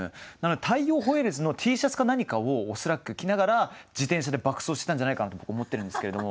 大洋ホエールズのＴシャツか何かを恐らく着ながら自転車で爆走してたんじゃないかなと思ってるんですけれども。